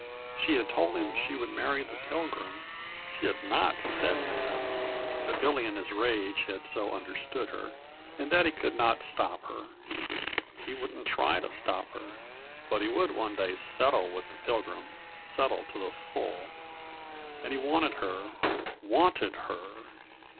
She had told him she would marry the Pilgrim (she had not said that, but Billy in his rage had so understood her) and that he could not stop her. He wouldn't try to stop her. But he would one day settle with the Pilgrim settle to the full. And he wanted her wanted her!